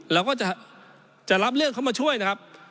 เราก็จะรับเรื่องเขามาช่วยนะครับ